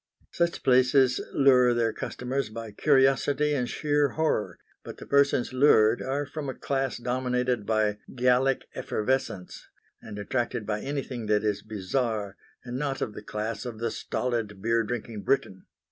Such places lure their customers by curiosity and sheer horror; but the persons lured are from a class dominated by "Gallic effervescence" and attracted by anything that is bizarre, and not of the class of the stolid beer drinking Briton.